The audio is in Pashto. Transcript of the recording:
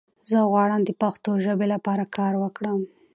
زۀ غواړم د پښتو ژبې لپاره کار وکړم!